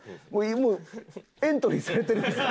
もうエントリーされてるんですか？